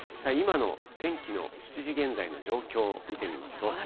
今の天気の７時現在の状況を見てみますと。